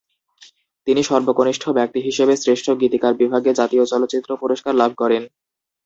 তিনি সর্বকনিষ্ঠ ব্যক্তি হিসেবে শ্রেষ্ঠ গীতিকার বিভাগে জাতীয় চলচ্চিত্র পুরস্কার লাভ করেন।